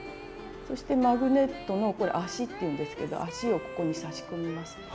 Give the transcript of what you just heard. そしてマグネットの足っていうんですけど足をここに差し込みます。